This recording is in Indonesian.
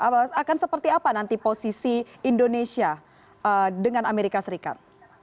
akan seperti apa nanti posisi indonesia dengan amerika serikat